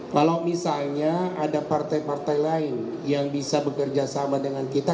kalau misalnya ada partai partai lain yang bisa bekerja sama dengan kita